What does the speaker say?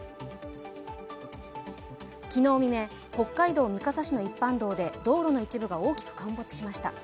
昨日未明、北海道三笠市の一般道で道路の一部が大きく陥没しました。